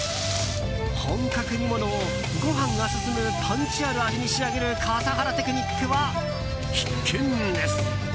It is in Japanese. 本格煮物をご飯が進むパンチある味に仕上げる笠原テクニックは必見です。